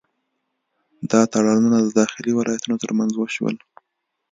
دا تړونونه د داخلي ولایتونو ترمنځ وشول.